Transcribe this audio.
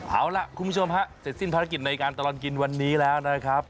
เอาล่ะคุณผู้ชมฮะเสร็จสิ้นภารกิจในการตลอดกินวันนี้แล้วนะครับ